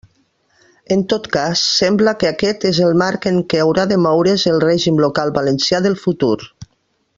En tot cas, sembla que aquest és el marc en què haurà de moure's el règim local valencià del futur.